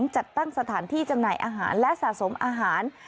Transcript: จัดตั้งสถานที่จำหน่ายอาหารและสะสมอาหาร